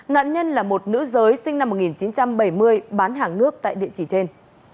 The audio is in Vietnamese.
nạn nhân là một nữ giới sinh năm một nghìn chín trăm bảy mươi bán hàng nước tại địa chỉ trên